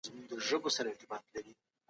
ډاکټر ته په وخت مراجعه وکړئ.